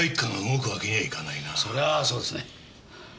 そりゃあそうですね。